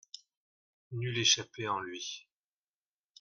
Nulle échappée en lui.